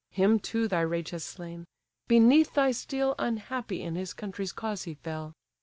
Him too thy rage has slain! beneath thy steel, Unhappy in his country's cause he fell!